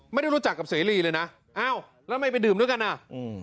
ไม่ได้รู้จักกับเสรีเลยนะอ้าวแล้วทำไมไปดื่มด้วยกันอ่ะอืม